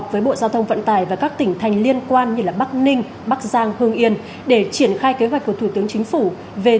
vì an toàn tính mạng và phát triển kinh tế